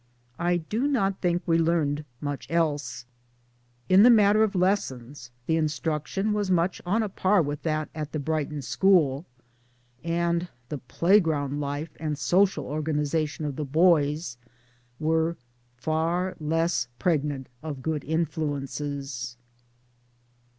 I do not think we learned much else. In the matter of lessons the instruction was much on a par with that at the Brighton school, and the play ground life and social organization of the boys were far less pregnant of good influences.